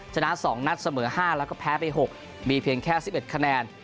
ชนะ๒นัดเสมอ๕แล้วก็แพ้ไป๖มีเพียงแค่๑๑คะแนน